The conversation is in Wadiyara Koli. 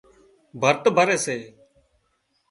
ڀرت ڀري سي